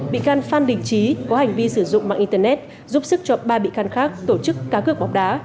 bị can phan đình trí có hành vi sử dụng mạng internet giúp sức cho ba bị can khác tổ chức cá cược bóng đá